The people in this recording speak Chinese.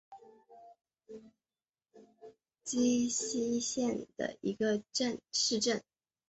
萨泰因斯是奥地利福拉尔贝格州费尔德基希县的一个市镇。